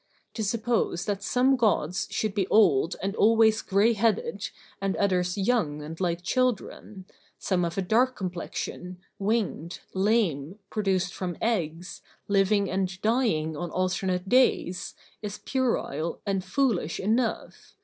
To suppose that some gods should be old and always gray headed and others young and like children, some of a dark complexion, winged, lame, produced from eggs, living and dying on alternate days, is puerile and foolish enough.